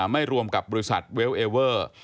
ไม่รวมกับบริษัทเวลเอเวอร์